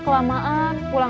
terima kasih mnet mikir ini